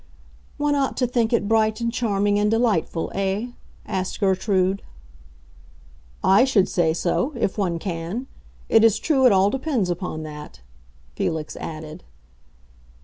"One ought to think it bright and charming and delightful, eh?" asked Gertrude. "I should say so—if one can. It is true it all depends upon that," Felix added.